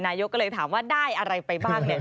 นายกก็เลยถามว่าได้อะไรไปบ้างเนี่ย